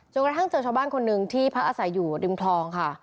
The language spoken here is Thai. กระทั่งเจอชาวบ้านคนหนึ่งที่พักอาศัยอยู่ริมคลองค่ะ